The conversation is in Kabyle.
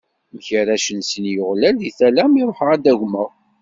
Mkerracen sin yeɣyal di tala mi ṛuḥeɣ ad ad d-agmeɣ.